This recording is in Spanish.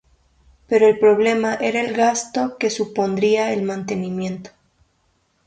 Pero el problema era el gasto que supondría el mantenimiento.